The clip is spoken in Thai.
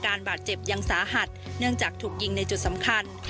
บาดเจ็บยังสาหัสเนื่องจากถูกยิงในจุดสำคัญ